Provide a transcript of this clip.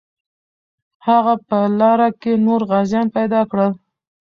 هغه په لاره کې نور غازیان پیدا کړل.